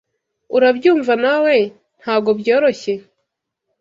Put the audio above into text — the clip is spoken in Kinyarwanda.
Urabyumva nawe ntagobyoroshye?